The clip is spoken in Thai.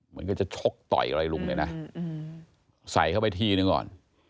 มันก็จะชกต่อยอะไรลุงเนี่ยนะใส่เข้าไปทีนึงก่อน